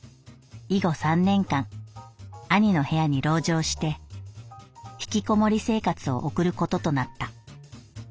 以後三年間兄の部屋に籠城して引きこもり生活を送ることとなった」。